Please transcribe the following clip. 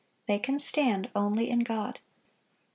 They can stand only in God.